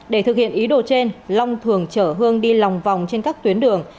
để thực hiện ý đồ trên long thường chở hương đi lòng vòng trên các tuyến đường